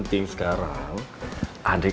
jadi aku juga enggak mau kalah